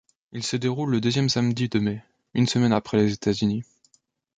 Il se déroule le deuxième samedi de mai, une semaine après les États-Unis.